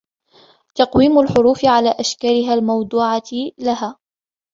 تَقْوِيمُ الْحُرُوفِ عَلَى أَشْكَالِهَا الْمَوْضُوعَةِ لَهَا